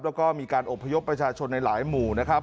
แล้วก็มีการอบพยพประชาชนในหลายหมู่นะครับ